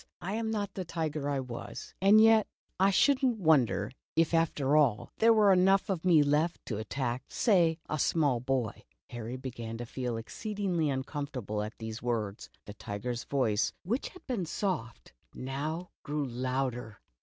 I am not the tiger I w^as, and yet I should n't wonder if after all, there were enough of me left to attack — say — a small boy !'' Harry began to feel exceedingly uncomforta ble at these words. The tiger's voice, which had been soft, now grew louder.